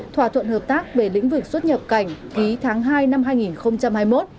thỏa thuận hợp tác về lĩnh vực xuất nhập cảnh ký tháng hai năm hai nghìn hai mươi một